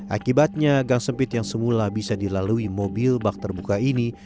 akibatnya gang sempit yang semula bisa dilalui mobil bak terbuka ini